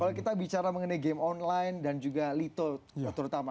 kalau kita bicara mengenai game online dan juga lito terutama